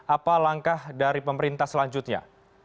apa langkah dari pemerintah selanjutnya